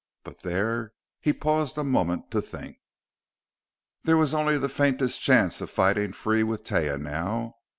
But there he paused a moment to think. There was only the faintest chance of fighting free with Taia now.